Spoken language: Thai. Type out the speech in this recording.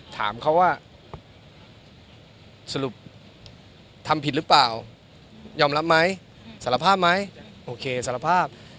ถามเขาว่าสรุปทำผิดหรือเปล่ายอมรับไหมสารภาพไหมโอเคสารภาพ